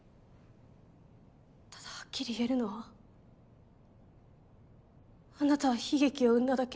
ただハッキリ言えるのはあなたは悲劇を生んだだけ。